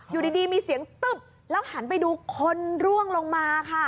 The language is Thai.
อยู่ดีมีเสียงตึ๊บแล้วหันไปดูคนร่วงลงมาค่ะ